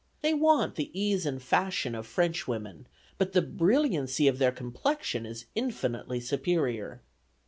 They want the ease and fashion of Frenchwomen; but the brilliancy of their complexion is infinitely superior.